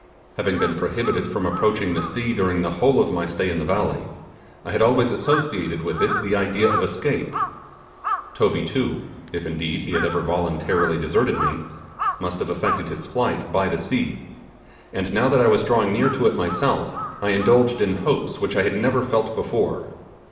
Having been prohibited from approaching the sea during the whole of my stay in the valley, I had always associated with it the idea of escape. Toby too if indeed he had ever voluntarily deserted me must have effected this flight by the sea; and now that I was drawing near to it myself, I indulged in hopes which I had never felt before.